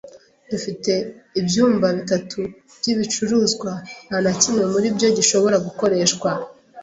Dufite ibyumba bitatu by'ibicuruzwa, nta na kimwe muri byo gishobora gukoreshwa.